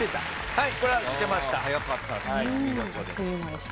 はい。